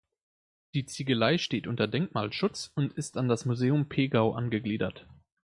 Die Ziegelei steht unter Denkmalschutz und ist an das Museum Pegau angegliedert.